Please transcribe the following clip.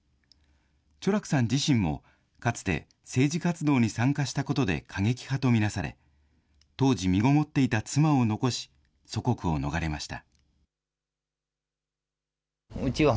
チョラクさん自身も、かつて政治活動に参加したことで過激派と見なされ、当時みごもっていた妻を残し、祖国を逃れました。